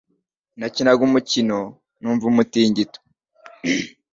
Nakinaga umukino numva umutingito.